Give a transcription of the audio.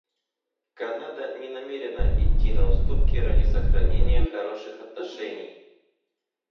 Канада не намерена идти на уступки ради сохранения хороших отношений.